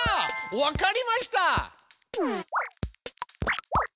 わかりました。